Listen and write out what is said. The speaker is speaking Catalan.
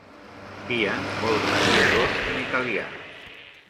Pia vol dir piadós en italià.